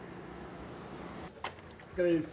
お疲れっす。